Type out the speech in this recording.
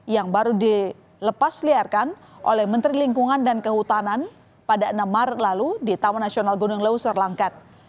yang baru dilepas liarkan oleh menteri lingkungan dan kehutanan pada enam maret lalu di taman nasional gunung leuser langkat